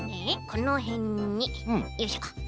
このへんによいしょ。